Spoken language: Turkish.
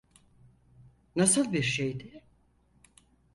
Nasıl bir şeydi?